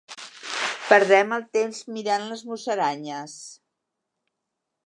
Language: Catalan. Perdem el temps mirant les musaranyes.